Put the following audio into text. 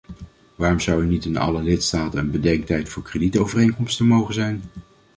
Waarom zou er niet in alle lidstaten een bedenktijd voor kredietovereenkomsten mogen zijn?